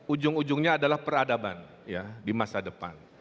ujung ujungnya adalah peradaban di masa depan